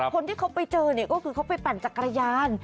คนที่เขาไปเจอเนี่ยก็คือเขาไปปั่นจักรยาน